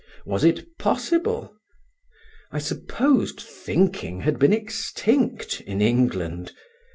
Was it possible? I supposed thinking had been extinct in England.